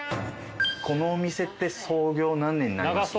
このお店って創業何年になります？